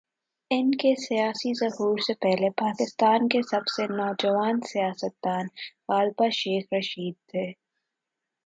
ان کے سیاسی ظہور سے پہلے، پاکستان کے سب سے "نوجوان سیاست دان" غالبا شیخ رشید تھے۔